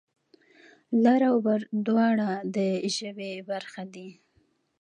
لر و بر دواړه د ژبې برخه دي.